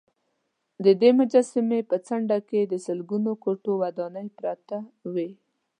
ددې مجسمې په څنډې کې د لسګونو کوټو ودانې پراته وې.